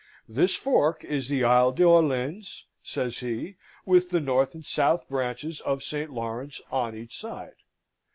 "This fork is the Isle d'Orleans," says he, "with the north and south branches of St. Lawrence on each side.